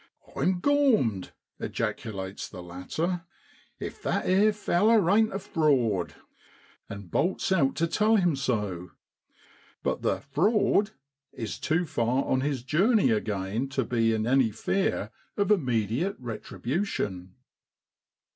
* I'm gormed !' ejaculates the latter, ' if that 'ere fellar ain't a frawd !' and bolts out to tell him so. But the ' frawd ' is too far on his journey again to be in any fear of immediate retribution.